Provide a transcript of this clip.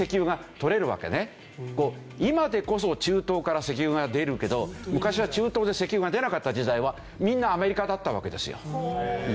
今でこそ中東から石油が出るけど昔は中東で石油が出なかった時代はみんなアメリカだったわけですよ。